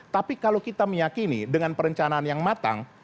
tapi kalau kita meyakini dengan perencanaan yang matang